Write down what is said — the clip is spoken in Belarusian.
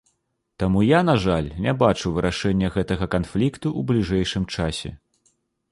Таму я, на жаль, не бачу вырашэння гэтага канфлікту ў бліжэйшым часе.